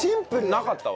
なかったわ。